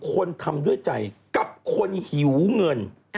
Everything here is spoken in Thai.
คนทำด้วยใจกับคนหิวเงิน